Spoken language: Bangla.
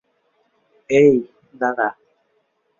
এই, দাঁড়া।